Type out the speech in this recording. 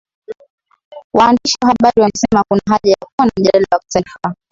waandishi wa habari wamesema kuna haja ya kuwa na mjadala wa kitaifa